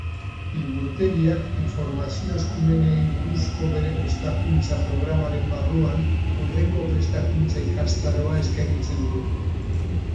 Liburutegiak informazio eskumenei buruzko bere prestakuntza programaren barruan hurrengo prestakuntza ikastaroa eskaintzen du.